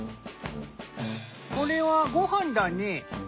これはご飯だね？